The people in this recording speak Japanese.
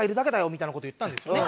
みたいな事を言ったんですよね。